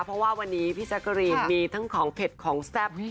เพราะว่าวันนี้พี่แจ๊กกะรีนมีทั้งของเผ็ดของแซ่บ